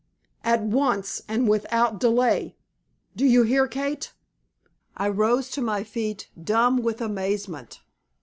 At once, and without delay! Do you hear, Kate?" I rose to my feet dumb with amazement.